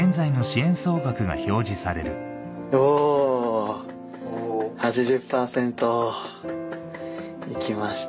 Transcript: おぉ８０％。いきました。